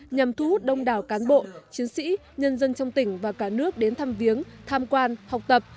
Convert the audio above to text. nhằm thu hút đông đảo cán bộ chiến sĩ nhân dân trong tỉnh và cả nước đến thăm viếng tham quan học tập